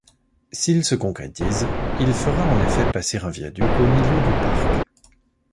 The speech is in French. S'il se concrétise, il fera en effet passer un viaduc au milieu du parc.